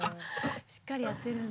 しっかりやってるんだ。